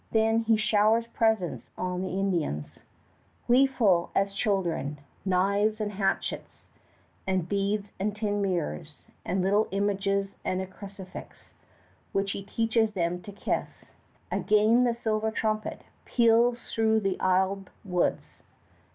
Then he showers presents on the Indians, gleeful as children knives and hatchets and beads and tin mirrors and little images and a crucifix, which he teaches them to kiss. Again the silver trumpet peals through the aisled woods.